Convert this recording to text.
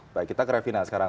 baik kita ke revina sekarang